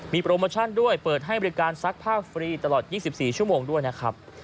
มีโปรโมชั่นด้วยเปิดให้บริการซักผ้าฟรีตลอด๒๔ชั่วโมงด้วยนะครับ